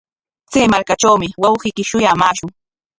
Chay markatrawmi wawqiyki shuyamaashun.